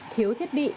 thiếu thiết bị